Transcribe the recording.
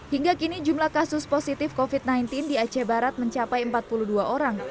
hingga kini jumlah kasus positif covid sembilan belas di aceh barat mencapai empat puluh dua orang